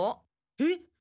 えっ？